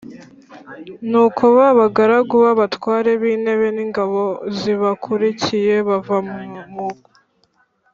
Nuko ba bagaragu b’abatware b’intebe n’ingabo zibakurikiye, bava mu murwa